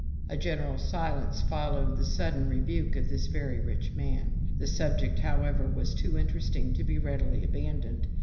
A general silence followed the sudden rebuke of this very rich man. The subject, however, was too interesting to be readily abandoned.